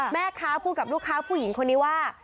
แม่ค้าพูดกับลูกค้าผู้หญิงคนนี้ว่า